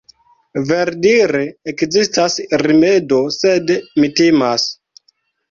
verdire ekzistas rimedo, sed mi timas.